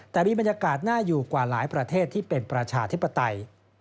แต่มีบรรยากาศน่าอยู่กว่าหลายประเทศที่เป็นประชาธิปไตย